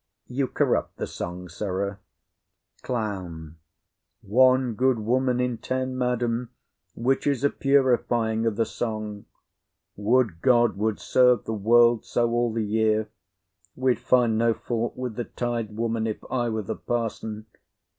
You corrupt the song, sirrah. CLOWN. One good woman in ten, madam, which is a purifying o' the song. Would God would serve the world so all the year! We'd find no fault with the tithe woman, if I were the parson.